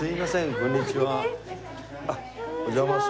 こんにちは。